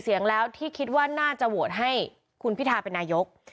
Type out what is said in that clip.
เสียงแล้วที่คิดว่าน่าจะโหวตให้คุณพิทาเป็นนายก